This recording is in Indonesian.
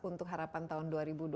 untuk harapan tahun dua ribu dua puluh